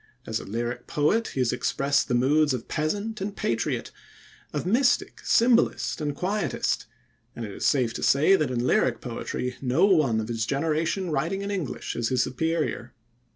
As a lyric poet, he has expressed the moods of peasant and patriot, of mystic, symbolist, and quietist, and it is safe to say that in lyric poetry no one of his generation writing in English is his superior.